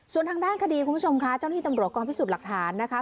ส่วนทางด้านคดีคุณผู้ชมค่ะเจ้าหน้าที่ตำรวจกองพิสูจน์หลักฐานนะคะ